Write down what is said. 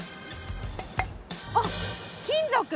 あっ金属！